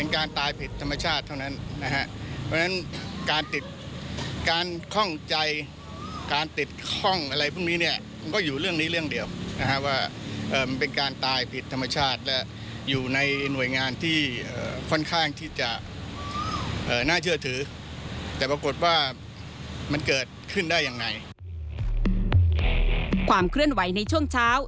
ความเคลื่อนไหวในช่วงเช้า